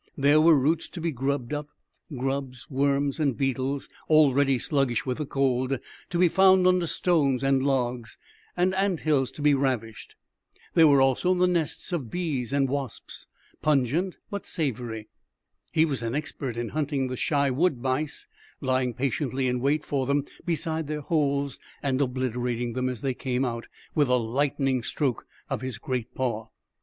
There were roots to be grubbed up, grubs, worms, and beetles, already sluggish with the cold, to be found under stones and logs, and ant hills to be ravished. There were also the nests of bees and wasps, pungent but savory. He was an expert in hunting the shy wood mice, lying patiently in wait for them beside their holes and obliterating them, as they came out, with a lightning stroke of his great paw.